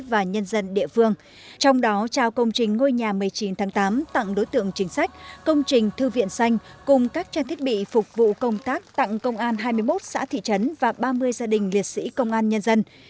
và nhân dân địa phương trong đó trao công trình ngôi nhà một mươi chín tháng tám tặng đối tượng chính sách công trình thư viện xanh cùng các trang thiết bị phục vụ công tác tặng công an hai mươi một xã thị trấn và ba mươi gia đình liệt sĩ công an nhân dân